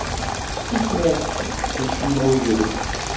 S tuffra-k acemma ur yelli.